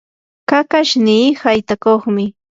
kakashnii haytakuqmi.